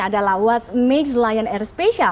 adalah what mix lion air special